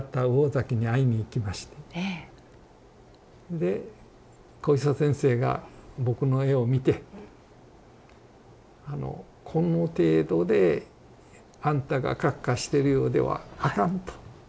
で小磯先生が僕の絵を見て「この程度であんたがカッカしてるようではあかん」と。